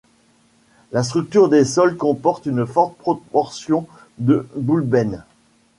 La structure des sols comporte une forte proportion de boulbènes.